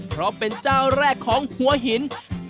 เพราะเป็นเจ้าแรกของหัวหิน